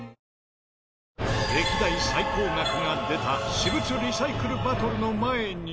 歴代最高額が出た私物リサイクルバトルの前に。